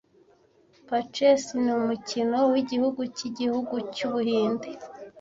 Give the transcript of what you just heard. Parcheesi ni umukino wigihugu cyigihugu cyu Buhinde